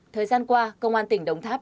thời gian qua công an tỉnh đồng tháp